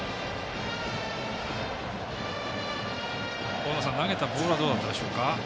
大野さん、投げたボールはどうだったでしょうか。